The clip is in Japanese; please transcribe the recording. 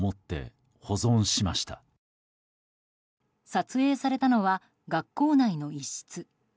撮影されたのは学校内の一室。